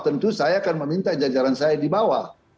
tentu saya akan meminta jajaran saya di bawah